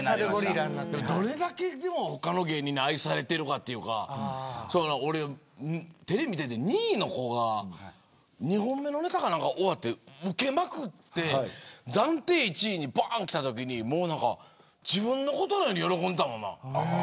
どれだけ他の芸人に愛されているかというかテレビ見ていて２位の子が２本目のネタが終わってうけまくって暫定１位に来たときに自分のことのように喜んでたもんな。